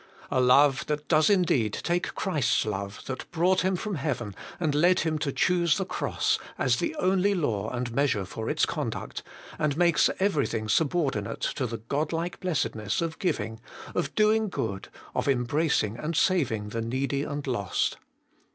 A love that does indeed take Christ's love, that brought Him from heaven and led Him to choose the cross, as the only law and measure for its conduct, and makes everything subordinate to the Godlike blessedness of giving, of doing good, of embracing and saving the needy and lost.